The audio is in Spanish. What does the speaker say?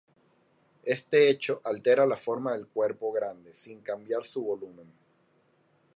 Este hecho altera la forma del cuerpo grande sin cambiar su volumen.